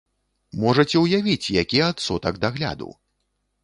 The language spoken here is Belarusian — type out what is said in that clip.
Можаце ўявіць, які адсотак дагляду!